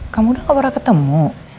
kamu udah gak pernah ketemu